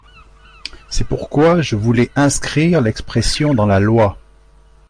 C’est pourquoi je voulais inscrire l’expression dans la loi.